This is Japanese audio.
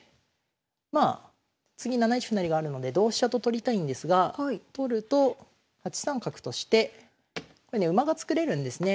まあ次７一歩成があるので同飛車と取りたいんですが取ると８三角として馬が作れるんですね。